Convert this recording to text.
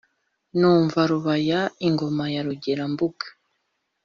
numva rubaya, ingoma ya rugera-mbuga